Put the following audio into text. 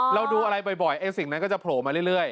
เราดูอะไรบ่อยไอ้สิ่งนั้นก็จะโผล่มาเรื่อย